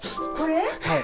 はい。